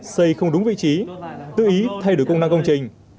xây không đúng vị trí tự ý thay đổi công năng công trình